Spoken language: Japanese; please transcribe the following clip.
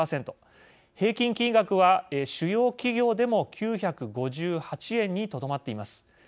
平均金額は、主要企業でも９５８円にとどまっています。